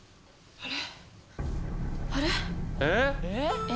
あれ？